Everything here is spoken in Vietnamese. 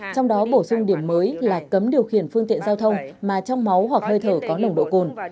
trong đó bổ sung điểm mới là cấm điều khiển phương tiện giao thông mà trong máu hoặc hơi thở có nồng độ cồn